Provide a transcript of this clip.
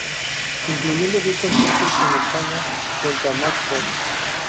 Incluyendo diez conciertos en España junto a Marc Ford.